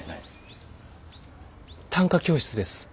短歌教室です。